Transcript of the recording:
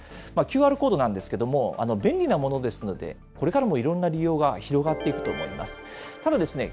ＱＲコードなんですけれども、便利なものですので、これからもいろんな利用が広がっていくと思います。